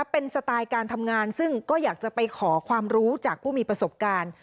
เป็นสไตล์การทำงานซึ่งก็อยากจะไปขอความรู้จากผู้มีประสบการณ์